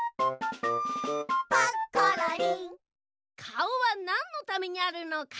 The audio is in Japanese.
かおはなんのためにあるのか？